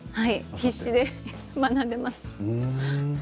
必死で学んでいます。